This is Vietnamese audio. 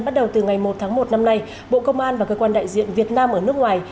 bắt đầu từ ngày một tháng một năm nay bộ công an và cơ quan đại diện việt nam ở nước ngoài